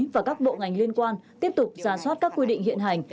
và các bộ ngành liên quan tiếp tục ra soát các quy định hiện hành